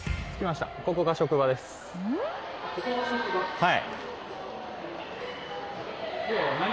はい。